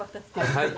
はい。